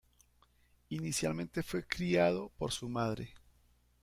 Inicialmente fue criado por su madre.